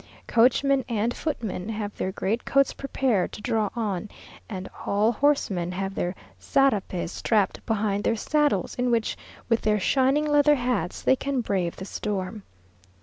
Coachmen and footmen have their great coats prepared to draw on; and all horsemen have their sarapes strapped behind their saddles, in which, with their shining leather hats, they can brave the storm.